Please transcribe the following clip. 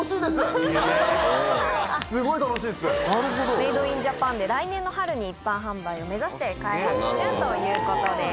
メード・イン・ジャパンで来年の春に一般販売を目指して開発中ということです。